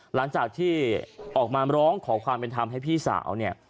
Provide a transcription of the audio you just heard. หลังจากที่ออกมาร้องขอความเป็นธรรมให้พี่สาวเนี่ย